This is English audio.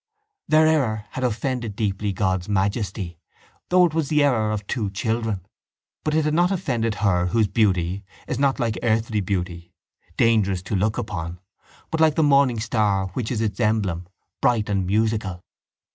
Their error had offended deeply God's majesty though it was the error of two children; but it had not offended her whose beauty "is not like earthly beauty, dangerous to look upon, but like the morning star which is its emblem, bright and musical."